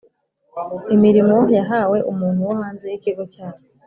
imirimo yahawe umuntu wo hanze y Ikigo cyabo